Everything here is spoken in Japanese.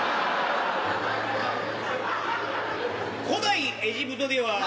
古代エジプトでは。